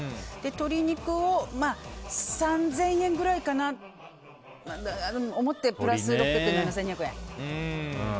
鶏肉を３０００円くらいかなと思ってプラス６００円で７２００円。